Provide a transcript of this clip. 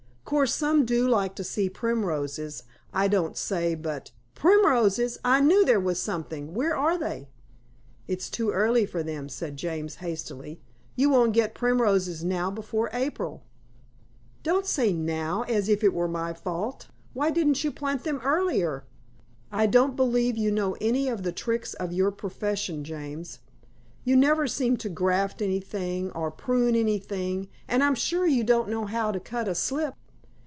"Course, some do like to see primroses, I don't say. But " "Primroses I knew there was something. Where are they?" "It's too early for them," said James hastily. "You won't get primroses now before April." "Don't say 'now,' as if it were my fault. Why didn't you plant them earlier? I don't believe you know any of the tricks of your profession, James. You never seem to graft anything or prune anything, and I'm sure you don't know how to cut a slip.